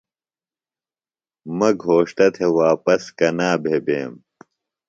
مہ گھوݜٹہ تھےۡ واپس کنا بھےۡ بیم